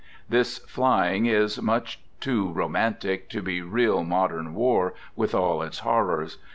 ... This flying is much too romantic to be real modern war with all its horrors.